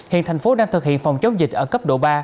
hiện thành phố đang thực hiện phòng chống dịch ở cấp độ ba